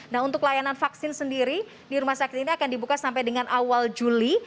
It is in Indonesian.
nah untuk layanan vaksin sendiri di rumah sakit ini akan dibuka sampai dengan awal juli